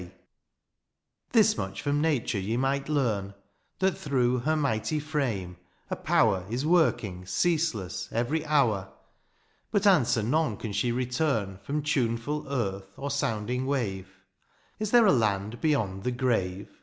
22 DIONYSIUS, '^ This much from nature ye might leam^ —'^ That, through her mighty frame, a power " Is working ceaseless every hour !'^ But answer none can she return ^^ From tuneful earth, or sounding wave; " Is there a land beyond the grave